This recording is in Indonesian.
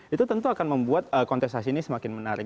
itu tentu akan membuat kontestasi ini semakin menarik